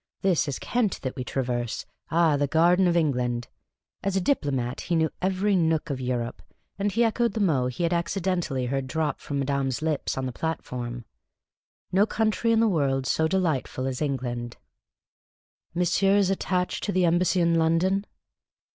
This is Kent that we traverse ; ah, the garden of England ! As a diplomat, he knew every nook of Europe, and he echoed the mot he had accidentally heard drop from A MOST URUANE AND OBLIGING CONTINENTAL GENTLEMAN. madame's lips on the platform : no country in the world so delightful as England ! "Monsieur is attached to the Embassy in I^ondon